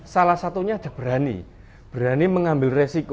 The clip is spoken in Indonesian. salah satunya ada berani berani mengambil resiko